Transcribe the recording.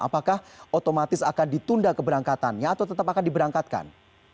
apakah otomatis akan ditunda keberangkatannya atau tetap akan diberangkatkan